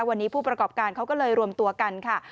วันนี้ผู้ประกอบการเขาก็เลยรวมตัวกันค่ะ